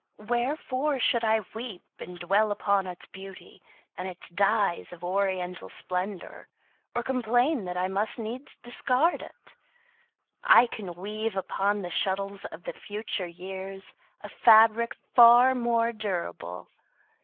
Wherefore should I weep And dwell upon its beauty, and its dyes Of oriental splendor, or complain That I must needs discard it? I can weave Upon the shuttles of the future years A fabric far more durable.